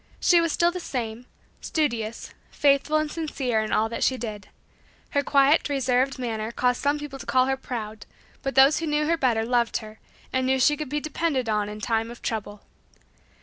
She was still the same studious, faithful and sincere in all that she did. Her quiet reserved manner caused some people to call her proud, but those who knew her better loved her, and knew she could be depended on in time of trouble.